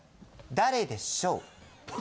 ・誰でしょう。